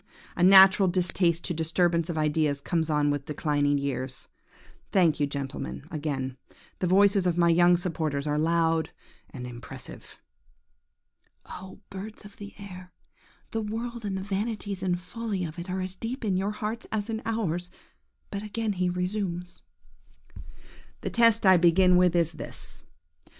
A natural distaste to disturbance of ideas comes on with declining years. Thank you, gentlemen, again; the voices of my young supporters are loud and impressive. –Oh, birds of the air, the world and the vanities and follies of it are as deep in your hearts as in ours! But again he resumes– "The test I begin with is this.